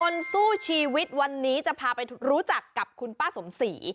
คนสู้ชีวิตวันนี้จะพาไปรู้จักกับคุณป้าสมศรี